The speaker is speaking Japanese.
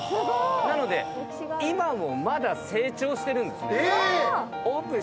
なので今もまだ成長してるんです。え！